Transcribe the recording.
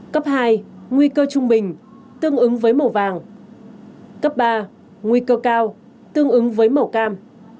cấp hai nguy cơ trung bình tương ứng với màu vàng cấp ba nguy cơ cao tương ứng với màu cam